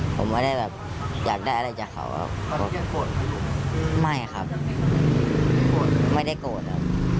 ผมไม่ได้แบบอยากได้อะไรจากเขาครับไม่ครับไม่ได้โกรธครับ